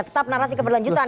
tetap narasi keberlanjutan